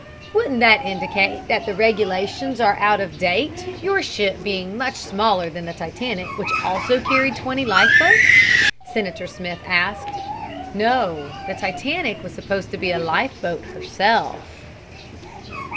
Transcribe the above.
"Wouldn't that indicate that the regulations are out of date, your ship being much smaller than the Titanic, which also carried twenty life boats?" Senator Smith asked. "No. The Titanic was supposed to be a life boat herself."